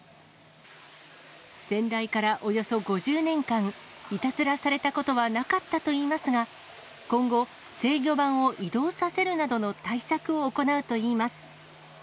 先代からおよそ５０年間、いたずらされたことはなかったといいますが、今後、制御盤を移動させるなどの対策を行うといいます。